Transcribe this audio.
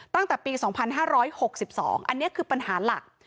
ตั้งแต่ปี๒๕๖๒อันนี้คือปัญหาหลัก